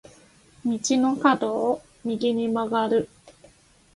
道の角を右に曲がる。